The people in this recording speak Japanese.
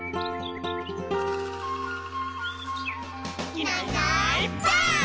「いないいないばあっ！」